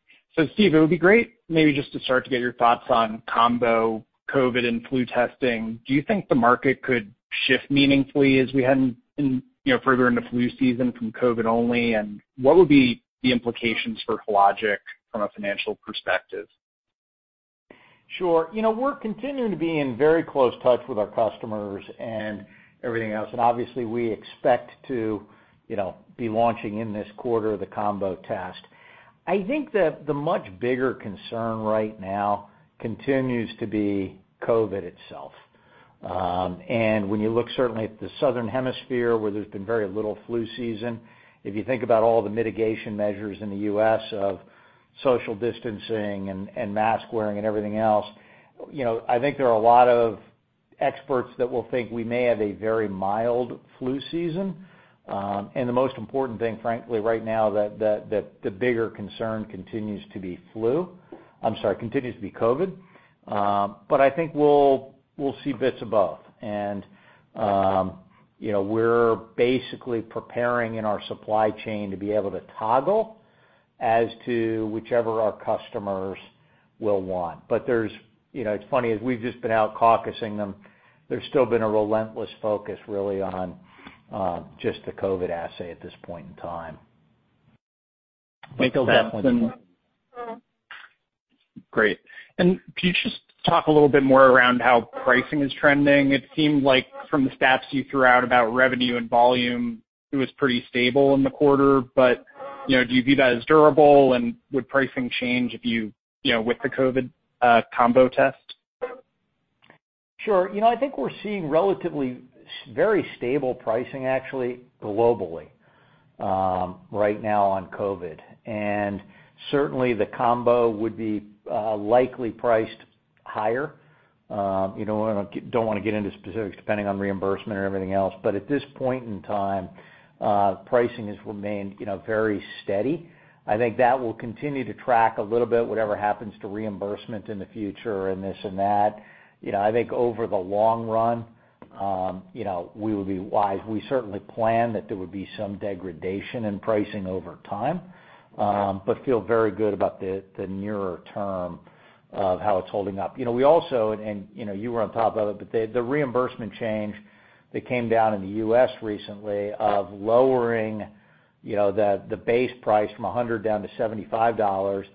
Steve, it would be great maybe just to start to get your thoughts on combo COVID and flu testing. Do you think the market could shift meaningfully as we head further into flu season from COVID only? What would be the implications for Hologic from a financial perspective?
Sure. We're continuing to be in very close touch with our customers and everything else. Obviously, we expect to be launching in this quarter the combo test. I think the much bigger concern right now continues to be COVID itself. When you look certainly at the Southern Hemisphere, where there's been very little flu season, if you think about all the mitigation measures in the U.S. of social distancing and mask-wearing and everything else, I think there are a lot of experts that will think we may have a very mild flu season. The most important thing, frankly, right now, the bigger concern continues to be COVID. I think we'll see bits of both. We're basically preparing in our supply chain to be able to toggle as to whichever our customers will want. It's funny, as we've just been out caucusing them, there's still been a relentless focus, really, on just the COVID assay at this point in time.
Great. Can you just talk a little bit more around how pricing is trending? It seemed like from the stats you threw out about revenue and volume, it was pretty stable in the quarter. Do you view that as durable, and would pricing change with the COVID combo test?
Sure. I think we're seeing relatively very stable pricing, actually, globally right now on COVID. Certainly the combo would be likely priced higher. I don't want to get into specifics depending on reimbursement or everything else, but at this point in time, pricing has remained very steady. I think that will continue to track a little bit whatever happens to reimbursement in the future and this and that. I think over the long run, we will be wise. We certainly plan that there would be some degradation in pricing over time, but feel very good about the nearer term of how it's holding up. We also, and you were on top of it, the reimbursement change that came down in the U.S. recently of lowering the base price from $100 down to $75,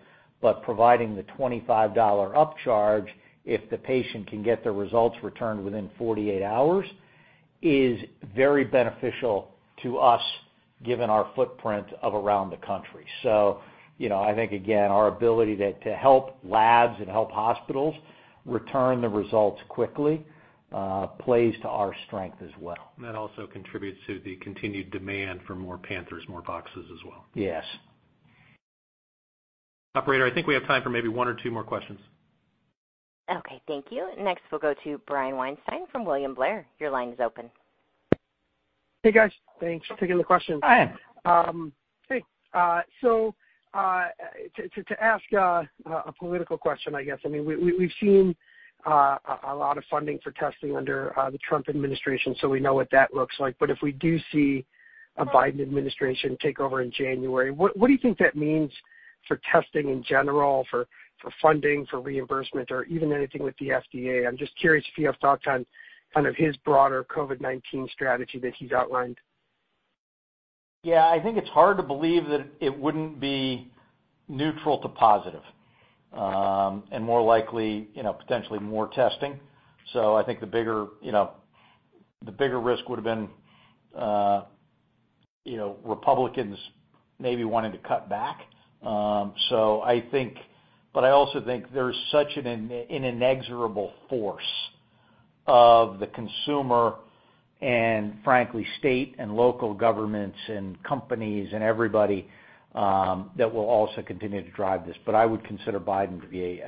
but providing the $25 upcharge if the patient can get their results returned within 48 hours, is very beneficial to us given our footprint of around the country. I think, again, our ability to help labs and help hospitals return the results quickly plays to our strength as well.
That also contributes to the continued demand for more Panthers, more boxes as well.
Yes.
Operator, I think we have time for maybe one or two more questions.
Okay. Thank you. Next, we'll go to Brian Weinstein from William Blair. Your line is open.
Hey, guys. Thanks. Thanks for taking the question.
Hi.
Hey. To ask a political question, I guess. We've seen a lot of funding for testing under the Trump administration, so we know what that looks like. If we do see a Biden administration take over in January, what do you think that means for testing in general, for funding, for reimbursement, or even anything with the FDA? I'm just curious if you have thoughts on kind of his broader COVID-19 strategy that he's outlined.
Yeah, I think it's hard to believe that it wouldn't be neutral to positive, more likely, potentially more testing. I think the bigger risk would've been Republicans maybe wanting to cut back. I also think there's such an inexorable force of the consumer and frankly, state and local governments and companies and everybody, that will also continue to drive this. I would consider Biden to be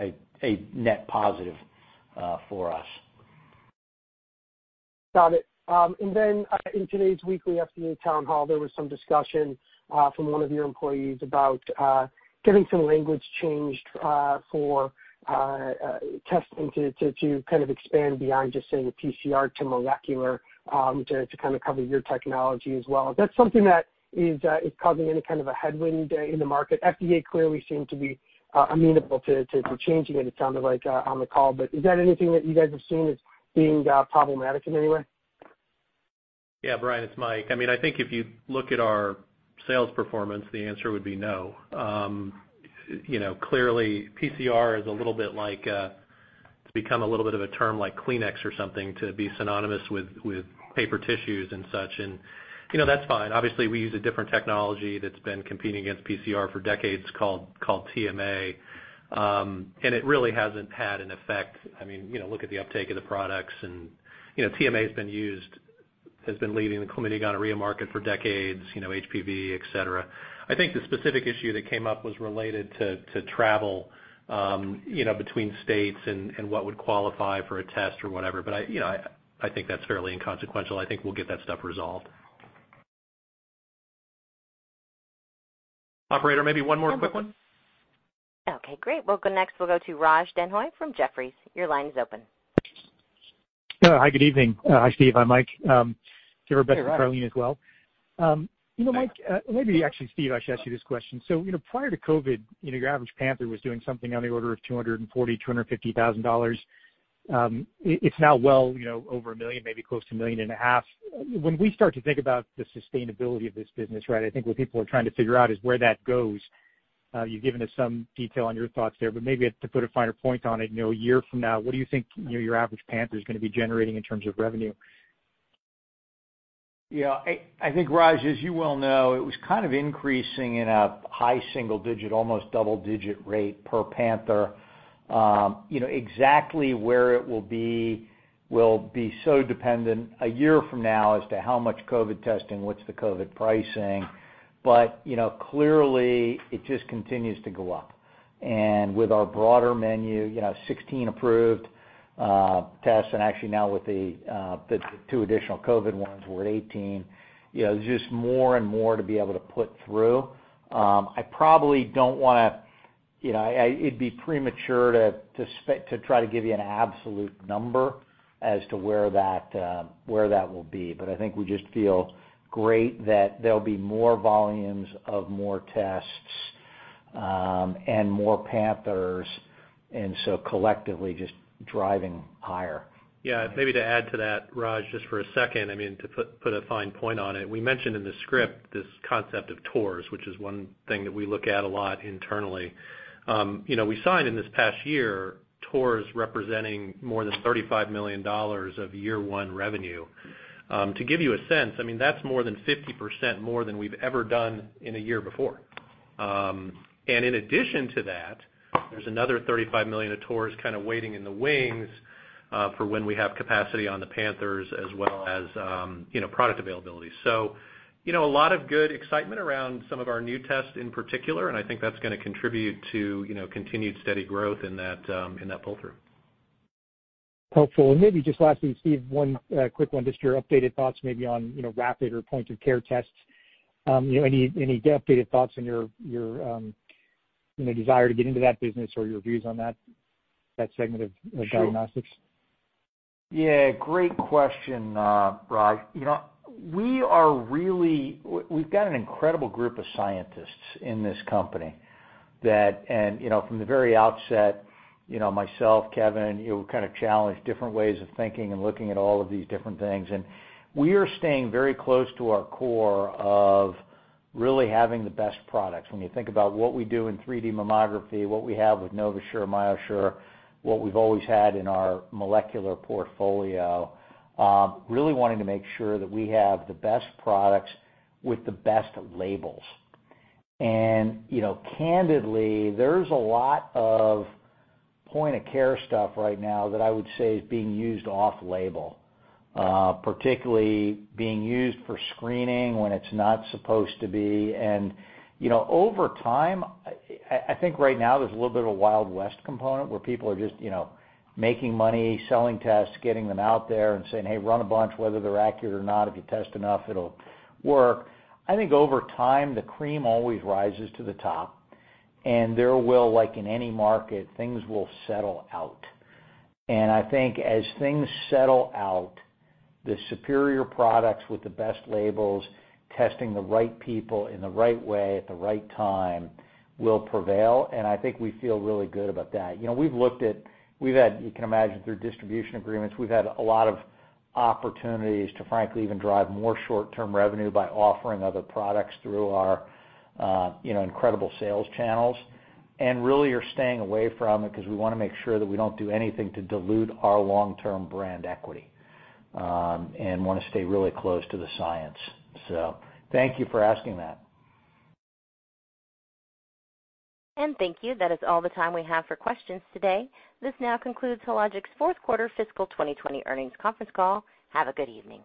a net positive for us.
Got it. Then in today's weekly FDA town hall, there was some discussion from one of your employees about getting some language changed for testing to kind of expand beyond just saying PCR to molecular, to kind of cover your technology as well. Is that something that is causing any kind of a headwind in the market? FDA clearly seemed to be amenable to changing it sounded like, on the call. Is that anything that you guys have seen as being problematic in any way?
Yeah, Brian, it's Mike. I think if you look at our sales performance, the answer would be no. Clearly PCR, it's become a little bit of a term like Kleenex or something to be synonymous with paper tissues and such, and that's fine. Obviously, we use a different technology that's been competing against PCR for decades called TMA. It really hasn't had an effect. Look at the uptake of the products, TMA has been leading the Chlamydia / Gonorrhea market for decades, HPV, et cetera. I think the specific issue that came up was related to travel between states and what would qualify for a test or whatever. I think that's fairly inconsequential. I think we'll get that stuff resolved. Operator, maybe one more quick one.
Okay, great. Well, next we'll go to Raj Denhoy from Jefferies. Your line is open.
Hi, good evening. Hi, Steve. Hi, Mike.
Hey, Raj.
To everybody at Karleen as well. Mike, maybe actually, Steve, I should ask you this question. Prior to COVID, your average Panther was doing something on the order of $240,000, $250,000. It's now well over $1 million, maybe close to $1.5 Million. When we start to think about the sustainability of this business, I think what people are trying to figure out is where that goes. You've given us some detail on your thoughts there, but maybe to put a finer point on it, one year from now, what do you think your average Panther's going to be generating in terms of revenue?
Yeah. I think Raj, as you well know, it was kind of increasing in a high single-digit, almost double-digit rate per Panther. Exactly where it will be will be so dependent a year from now as to how much COVID testing, what's the COVID pricing. Clearly, it just continues to go up. With our broader menu, 16 approved tests, and actually now with the two additional COVID ones, we're at 18. There's just more and more to be able to put through. It'd be premature to try to give you an absolute number as to where that will be. I think we just feel great that there'll be more volumes of more tests, and more Panthers, collectively just driving higher.
Yeah. Maybe to add to that, Raj, just for a second, to put a fine point on it. We mentioned in the script this concept of TORs, which is one thing that we look at a lot internally. We signed in this past year TORs representing more than $35 million of year one revenue. To give you a sense, that's more than 50% more than we've ever done in a year before. In addition to that, there's another $35 million of TORs kind of waiting in the wings for when we have capacity on the Panthers as well as product availability. A lot of good excitement around some of our new tests in particular, and I think that's going to contribute to continued steady growth in that pull-through.
Helpful. Maybe just lastly, Steve, one quick one, just your updated thoughts maybe on rapid or point-of-care tests. Any updated thoughts on your desire to get into that business or your views on that segment of diagnostics?
Yeah. Great question, Raj. We've got an incredible group of scientists in this company and from the very outset, myself, Kevin, we kind of challenged different ways of thinking and looking at all of these different things. We are staying very close to our core of really having the best products. When you think about what we do in 3D mammography, what we have with NovaSure, MyoSure, what we've always had in our molecular portfolio, really wanting to make sure that we have the best products with the best labels. Candidly, there's a lot of point-of-care stuff right now that I would say is being used off-label, particularly being used for screening when it's not supposed to be. Over time, I think right now there's a little bit of a Wild West component where people are just making money, selling tests, getting them out there and saying, "Hey, run a bunch," whether they're accurate or not. If you test enough, it'll work. I think over time, the cream always rises to the top, and there will, like in any market, things will settle out. I think as things settle out, the superior products with the best labels, testing the right people in the right way at the right time will prevail, and I think we feel really good about that. We've looked at, we've had, you can imagine, through distribution agreements, we've had a lot of opportunities to frankly even drive more short-term revenue by offering other products through our incredible sales channels. Really are staying away from it because we want to make sure that we don't do anything to dilute our long-term brand equity, and want to stay really close to the science. Thank you for asking that.
Thank you. That is all the time we have for questions today. This now concludes Hologic's fourth quarter fiscal 2020 earnings conference call. Have a good evening.